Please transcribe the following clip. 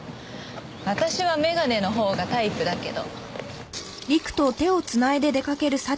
私はメガネのほうがタイプだけど。